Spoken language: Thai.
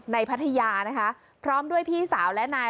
พัทยานะคะพร้อมด้วยพี่สาวและนาย